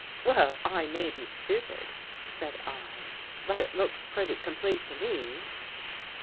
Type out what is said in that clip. " Well, I may be stupid," said I, " but it looks pretty complete to me."